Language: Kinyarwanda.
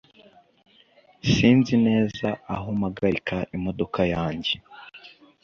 Sinzi neza aho mpagarika imodoka yanjye